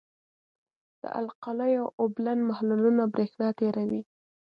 د القلیو اوبلن محلولونه برېښنا تیروي.